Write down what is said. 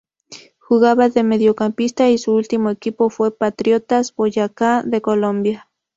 Jugaba de mediocampista y su ultimo equipo fue Patriotas Boyacá de Colombia.